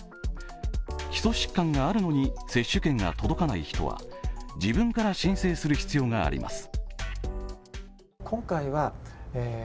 基礎疾患があるのに接種券が届かない人は自分から申請する必要があります。